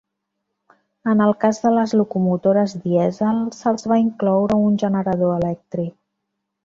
En el cas de les locomotores dièsel se'ls va incloure un generador elèctric.